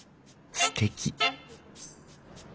すてき！